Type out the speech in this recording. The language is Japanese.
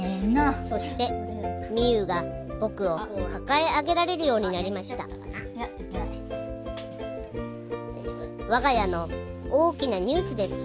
そして実優が僕を抱え上げられるようになりました我が家の大きなニュースです